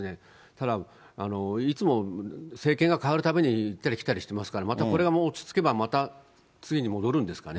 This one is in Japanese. だから、いつも政権が変わるたびに行ったり来たりしてますから、これが落ち着けば、また次に戻るんですかね。